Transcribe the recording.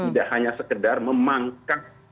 tidak hanya sekedar memangkak